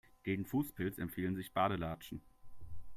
Gegen Fußpilz empfehlen sich Badelatschen.